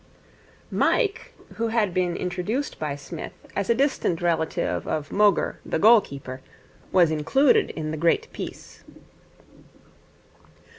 Mike, who had been introduced by Psmith as a distant relative of Moger, the goalkeeper, was included in the great peace.